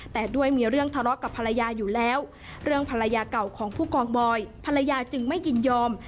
แต่ด้วยมีเรื่องทะเลาะกับภรรยาอยู่แล้วเรื่องภรรยาเก่าของผู้กองบอยภรรยาจึงไม่ยินยอม